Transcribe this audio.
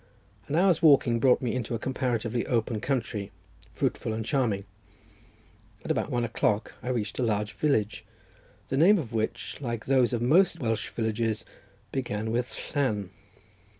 An hour's walking brought me into a comparatively open country, fruitful and charming. At about one o'clock I reached a large village, the name of which, like those of most Welsh villages, began with Llan.